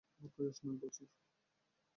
ওর বয়স নয় বছর।